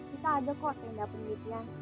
kita ada kok tenda penelitian